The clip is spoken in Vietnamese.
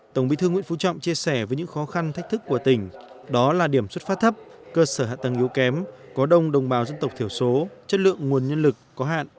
tổng bí thư nguyễn phú trọng chia sẻ với những khó khăn thách thức của tỉnh đó là điểm xuất phát thấp cơ sở hạ tầng yếu kém có đông đồng bào dân tộc thiểu số chất lượng nguồn nhân lực có hạn